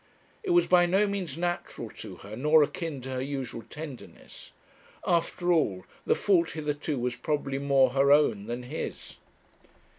It was by no means natural to her, nor akin to her usual tenderness. After all, the fault hitherto was probably more her own than his.